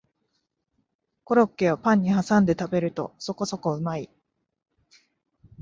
コロッケをパンにはさんで食べるとそこそこうまい